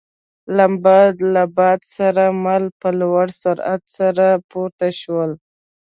لمبه له باده سره مله په لوړ سرعت سره پورته شول.